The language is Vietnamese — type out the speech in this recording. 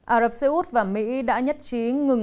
ả rập xê út và mỹ đã nhất trí ngừng hoạt động